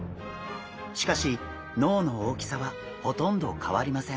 しかし脳の大きさはほとんど変わりません。